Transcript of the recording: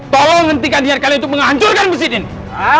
tolong ngentikan ziar kalian untuk menghancurkan masjid ini